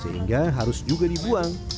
sehingga harus juga dibuang